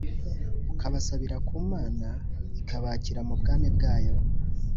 ukabasabira ku Mana ikabakira mu bwami bwayo